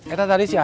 eta tadi siapa